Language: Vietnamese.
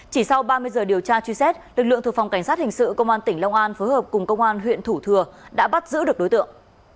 chỉ sau ba mươi giờ điều tra truy xét lực lượng thuộc phòng cảnh sát hình sự công an tỉnh long an phối hợp cùng công an huyện thủ thừa đã bắt giữ được đối tượng